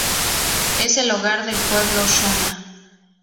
Es el hogar del pueblo shona.